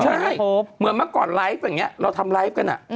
ใช่เหมือนเมื่อก่อนไลฟ์อย่างนี้เราทำไลฟ์กัน